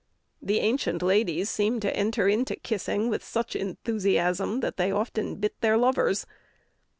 The ancient ladies seemed to enter into kissing with such enthusiasm that they often bit their lovers.